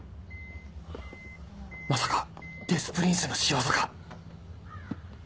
まさかデス・プリンスの仕業か？